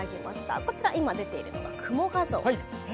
こちら、今出ているのが雲画像ですね。